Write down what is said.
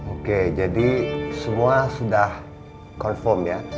oke jadi semua sudah confirm ya